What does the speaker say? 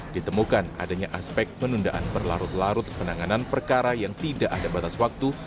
ditemukan adanya aspek penundaan berlarut larut penanganan perkara yang tidak ada batas waktu